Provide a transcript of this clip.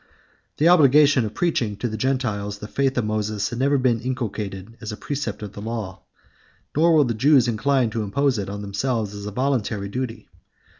The obligation of preaching to the Gentiles the faith of Moses had never been inculcated as a precept of the law, nor were the Jews inclined to impose it on themselves as a voluntary duty.